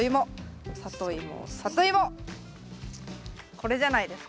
これじゃないですか。